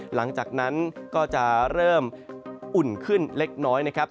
หลังจากนั้นก็จะเริ่มอุ่นขึ้นเล็กน้อยนะครับ